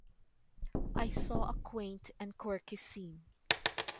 I saw a quaint and quirky scene.